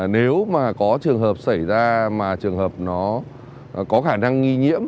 nếu có trường hợp xảy ra trường hợp có khả năng nghi nhiễm